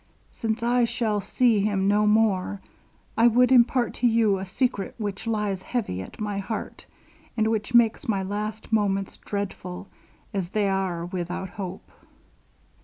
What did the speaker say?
Since I shall see him no more, I would impart to you a secret which lies heavy at my heart, and which makes my last moments dreadful, as they are without hope.'